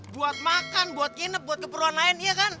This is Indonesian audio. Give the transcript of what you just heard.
buat makan buat nginep buat keperluan lain iya kan